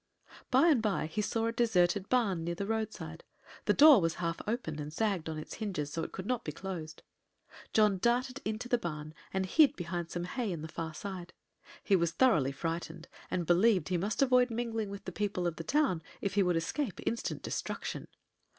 By and by he saw a deserted barn near the roadside. The door was half open and sagged on its hinges, so it could not be closed. John darted into the barn and hid behind some hay in the far side. He was thoroughly frightened, and believed he must avoid mingling with the people of the town if he would escape instant destruction.